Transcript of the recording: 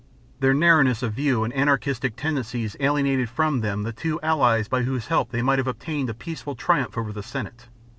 Their narrowness of view and anarchist tendencies alienated from them the two allies by whose help they might have obtained a peaceful triumph over the Senate.